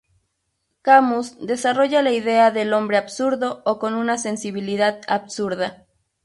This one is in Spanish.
Camus desarrolla la idea del "hombre absurdo", o con una "sensibilidad absurda".